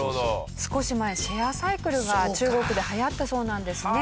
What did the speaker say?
少し前シェアサイクルが中国で流行ったそうなんですね。